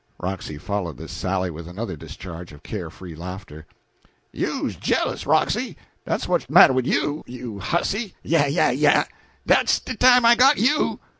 Roxy followed this sally with another discharge of care free laughter. "You's jealous, Roxy, dat's what's de matter wid you, you hussy yah yah yah! Dat's de time I got you!"